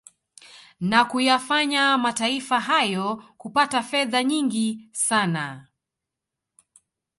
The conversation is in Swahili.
Na kuyafanya mataifa hayo kupata fedha nyingi sana